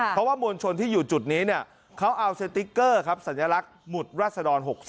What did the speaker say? เพราะว่ามวลชนที่อยู่จุดนี้เขาเอาสติ๊กเกอร์ครับสัญลักษณ์หมุดรัศดร๖๓